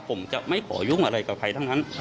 ผมจะไม่ขอยุ่งอะไรกับใครทั้งนั้น